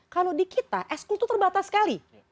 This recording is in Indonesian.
kalau di kita eskul itu terbatas sekali